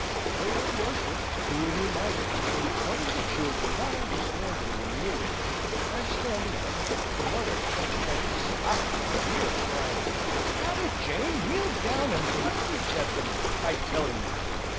They would worship, do what he might. One of the children, not understanding the kneeling order, and standing up, the mother fetched her a slap on the ear, crying, "Drat it, Jane, kneel down, and bless the gentleman, I tell 'ee!"...